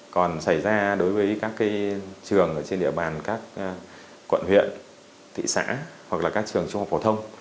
còn xảy ra đối với các trường trên địa bàn các quận huyện thị xã hoặc là các trường trung học phổ thông